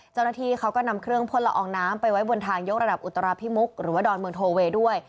เจ้าหน้าที่เขาก็นำเครื่องพ่นละอองน้ำไปไว้บนทางยกระดับอุตราพิมุกหรือว่าดอนเมืองโทเวย์ด้วย